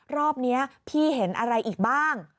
รอบนี้พี่เห็นอะไรอีกบ้าง